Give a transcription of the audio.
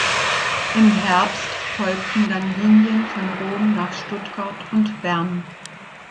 Im Herbst folgten dann Linien von Rom nach Stuttgart und Bern.